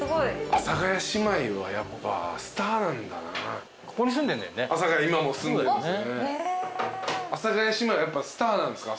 阿佐ヶ谷姉妹はやっぱスターなんすか？